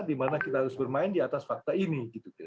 di mana kita harus bermain di atas fakta ini